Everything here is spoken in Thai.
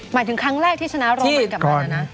หมายถึงครั้งแรกที่ชนะรองมือกลับมานะนะ